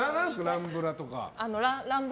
ランブラとか。